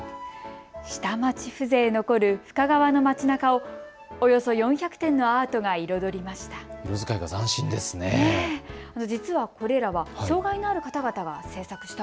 下町風情残る深川の街なかをおよそ４００点のアートが彩りました。